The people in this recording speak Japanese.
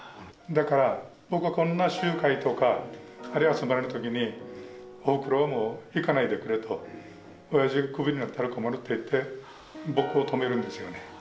だから僕はこんな集会とかあるいは集まる時におふくろはもう行かないでくれとおやじがクビになったら困ると言って僕を止めるんですよね。